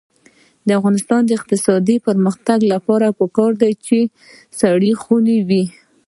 د افغانستان د اقتصادي پرمختګ لپاره پکار ده چې سړې خونې وي.